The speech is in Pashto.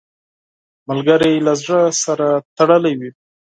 ملګری له زړه سره تړلی وي